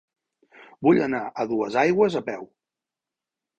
Vull anar a Duesaigües a peu.